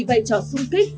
vai trò xung kích